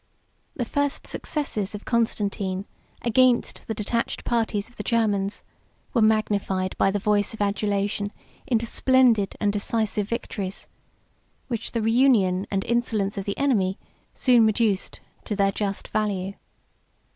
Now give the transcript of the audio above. The first successes of Constantine against the detached parties of the Germans, were magnified by the voice of adulation into splendid and decisive victories; which the reunion and insolence of the enemy soon reduced to their just value.